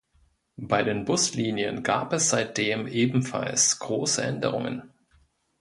Bei den Buslinien gab es seitdem ebenfalls große Änderungen.